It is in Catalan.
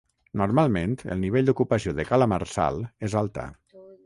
Normalment el nivell d'ocupació de Cala Marçal és alta.